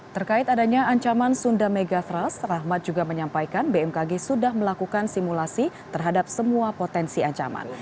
terkait adanya ancaman sunda megatrust rahmat juga menyampaikan bmkg sudah melakukan simulasi terhadap semua potensi ancaman